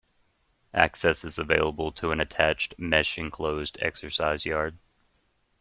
Access is available to an attached, mesh-enclosed, exercise yard.